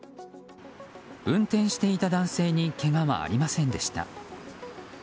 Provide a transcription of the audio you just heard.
運転していた男性にけがはありませんでした。